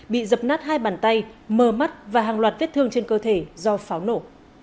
bị dập nát hai bàn tay mờ mắt và hàng loạt vết thương trên cơ thể do pháo nổ